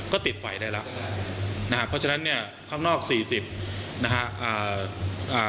ก็ติดไฟได้แล้วนะครับเพราะฉะนั้นเนี่ยข้างนอก๔๐นะคะ